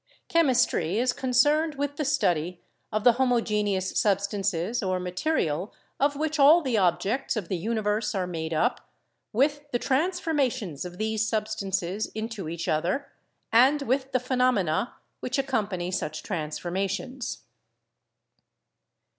"Chemistry is concerned with the study of the homogeneous substances or material of which all the objects of the universe are made up, with the transformations of these substances into each other, and with the phenomena which accompany such transformations."